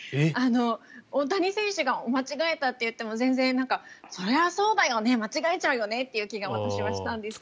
大谷選手が間違えたといっても全然、それはそうだよね間違えちゃうよねという気が私はしたんですけど。